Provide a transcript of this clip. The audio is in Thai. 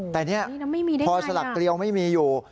แต่นี่พอสลักเกลียวไม่มีอยู่